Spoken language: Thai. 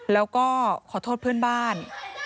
แล้วก็ขอโทษเพื่อนบ้าน